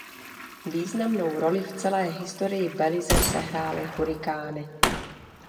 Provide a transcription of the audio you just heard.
Významnou roli v celé historii Belize sehrály hurikány.